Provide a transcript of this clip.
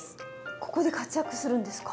ここで活躍するんですか？